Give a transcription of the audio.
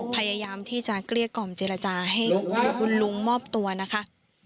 พยายามที่จะเกลี้ยกล่อมเจรจาให้คุณลุงมอบตัวนะคะ